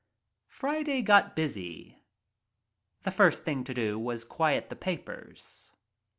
Friday got busy. The first thing to do was to quiet the papers.